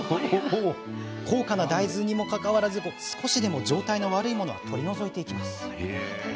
高価な大豆にもかかわらず少しでも状態の悪いものは取り除いていきます。